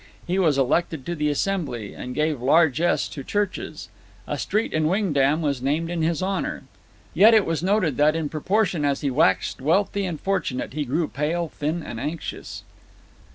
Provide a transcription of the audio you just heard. He was elected to the Assembly, and gave largess to churches. A street in Wingdam was named in his honor. Yet it was noted that in proportion as he waxed wealthy and fortunate, he grew pale, thin, and anxious.